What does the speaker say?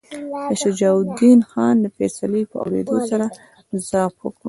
شجاع الدین خان د فیصلې په اورېدو سره ضعف وکړ.